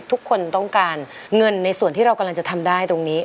ทุกคนต้องการเงินในส่วนที่เรากำลังจะทำได้ตรงนี้